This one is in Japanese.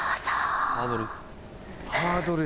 ハードル。